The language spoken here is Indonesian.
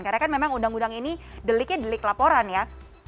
karena kan memang undang undang ini deliknya delik laporan ya